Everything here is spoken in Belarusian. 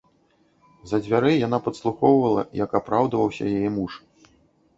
З-за дзвярэй яна падслухоўвала, як апраўдваўся яе муж.